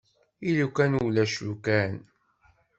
I lukan ulac lukan?